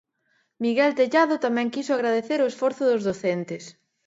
Miguel Tellado tamén quixo agradecer o esforzo dos docentes.